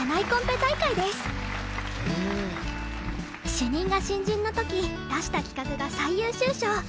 主任が新人の時出した企画が最優秀賞。